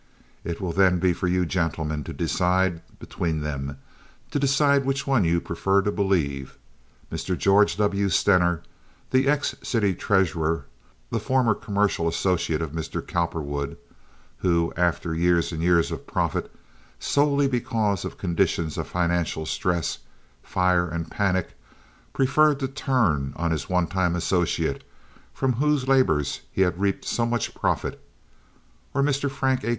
It will then be for you gentlemen to decide between them, to decide which one you prefer to believe—Mr. George W. Stener, the ex city treasurer, the former commercial associate of Mr. Cowperwood, who, after years and years of profit, solely because of conditions of financial stress, fire, and panic, preferred to turn on his one time associate from whose labors he had reaped so much profit, or Mr. Frank A.